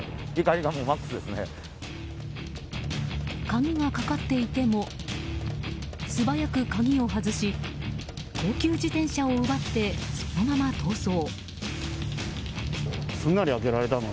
鍵がかかっていても素早く鍵を外し高級自転車を奪ってそのまま逃走。